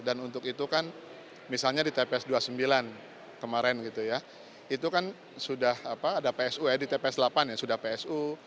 dan untuk itu kan misalnya di tps dua puluh sembilan kemarin gitu ya itu kan sudah ada psu ya di tps delapan ya sudah psu